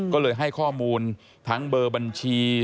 ก็เลยให้ข้อมูลทั้งเบอร์บัญชี